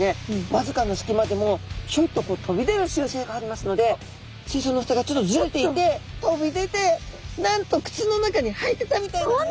わずかな隙間でもひょいと飛び出る習性がありますので水槽のふたがちょっとずれていて飛び出てなんとくつの中に入ってたみたいなんですね。